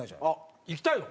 行きたいの？